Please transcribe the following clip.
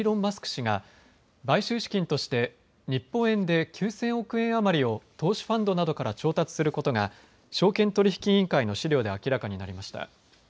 氏が買収資金として日本円で９０００億円余りを投資ファンドなどから調達することが証券取引委員会の資料で明らかになりました。